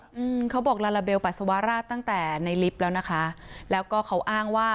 อืมเขาบอกลาลาเบลปัสสาวราชตั้งแต่ในลิฟต์แล้วนะคะแล้วก็เขาอ้างว่า